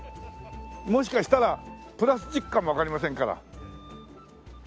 もしかしたらプラスチックかもわかりませんから。